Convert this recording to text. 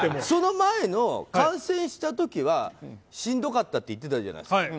その前の感染した時はしんどかったって言っていたじゃないですか。